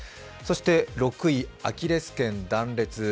そして６位、アキレスけん断裂。